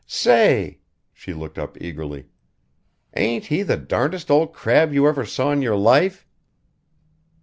Say " she looked up eagerly "ain't he the darndest old crab you ever saw in your life?"